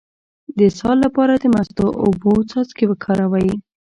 د اسهال لپاره د مستو او اوبو څاڅکي وکاروئ